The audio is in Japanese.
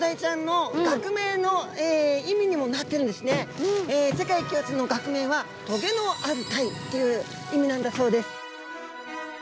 実は世界共通の学名は「棘のあるタイ」という意味なんだそうです。